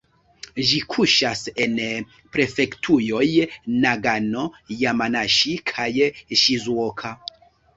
Ĝi kuŝas en prefektujoj Nagano, Jamanaŝi kaj Ŝizuoka.